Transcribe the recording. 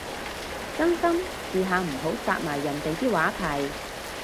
真心，試下唔好殺埋人哋啲話題